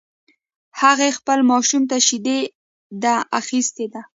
هغې خپل ماشوم ته شیدي ده اخیستی ده